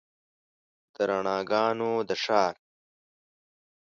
د رڼاګانو د ښار